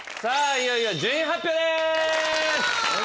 いよいよ順位発表です。